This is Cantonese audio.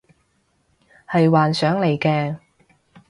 係幻想嚟嘅